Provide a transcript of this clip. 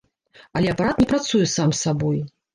Але апарат не працуе сам сабой.